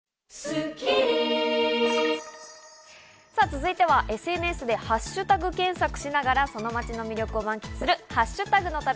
続いてはＳＮＳでハッシュタグ検索しながら、その街の魅力を満喫する「＃ハッシュタグの旅」。